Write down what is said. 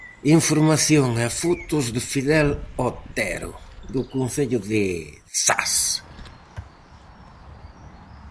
Información e fotos de Fidel Otero, do concello de Zas.